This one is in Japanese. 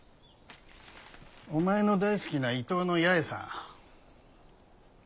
お前の大好きな伊東の八重さん。